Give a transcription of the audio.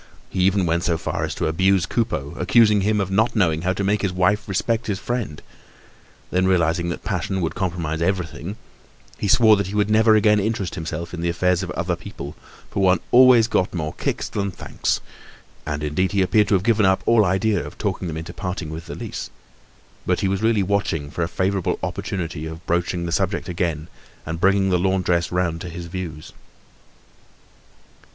He even went so far as to abuse Coupeau, accusing him of not knowing how to make his wife respect his friend. Then, realising that passion would compromise everything, he swore that he would never again interest himself in the affairs of other people, for one always got more kicks than thanks; and indeed he appeared to have given up all idea of talking them into parting with the lease, but he was really watching for a favorable opportunity of broaching the subject again and of bringing the laundress round to his views.